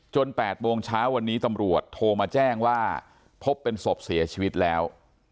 ๘โมงเช้าวันนี้ตำรวจโทรมาแจ้งว่าพบเป็นศพเสียชีวิตแล้ว